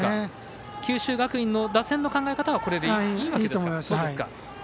九州学院の打線の考え方はこれでいいわけですか。